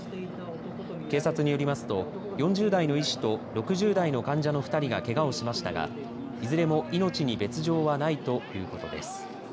警察によりますと４０代の医師と６０代の患者の２人がけがをしましたがいずれも命に別状はないということです。